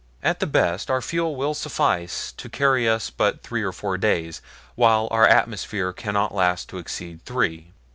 "At the best our fuel will suffice to carry us but three or four days, while our atmosphere cannot last to exceed three.